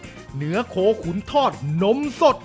เหนือโคขุนทอดนมสด